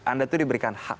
anda tuh diberikan hak